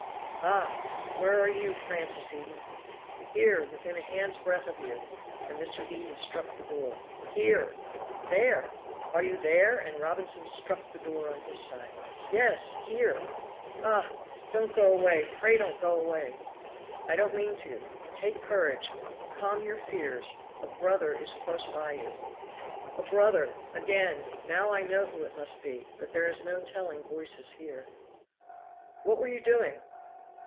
"Ah! where are you, Francis Eden?" "Here! within a hand's breadth of you;" and Mr. Eden struck the door. "Here!" "There! are you there?" and Robinson struck the door on his side. "Yes, here!" "Ha! don't go away, pray don't go away!" "I don't mean to. Take courage calm your fears a brother is close by you!" "A brother! again! now I know who it must be, but there is no telling voices here." "What were you doing?"